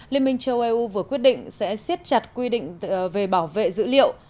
liên minh châu âu vừa quyết định sẽ siết chặt quy định về bảo vệ dữ liệu